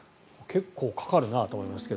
結構かかるなと思いますが。